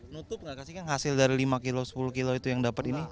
nutup gak kasih kan hasil dari lima kilo sepuluh kilo itu yang dapet ini